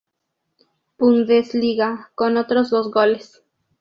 Bundesliga con otros dos goles.